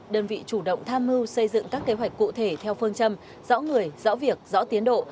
đơn vị chủ động tham mưu xây dựng các kế hoạch cụ thể theo phương châm rõ người rõ việc rõ tiến độ